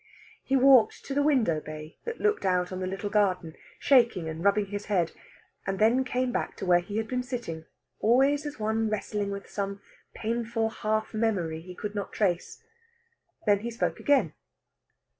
He walked to the window bay that looked out on the little garden, shaking and rubbing his head, and then came back to where he had been sitting always as one wrestling with some painful half memory he could not trace. Then he spoke again.